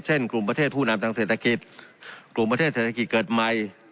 กลุ่มประเทศผู้นำทางเศรษฐกิจกลุ่มประเทศเศรษฐกิจเกิดใหม่